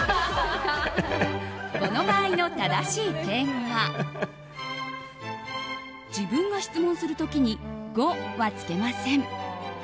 この場合の正しい敬語は自分が質問する時に「ご」はつけません。